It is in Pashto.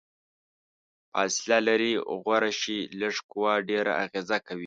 فاصله لرې غوره شي، لږه قوه ډیره اغیزه کوي.